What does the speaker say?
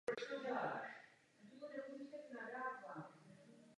Byla vystavěna podle vzoru kostela v Humoru.